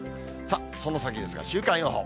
その先ですが、週間予報。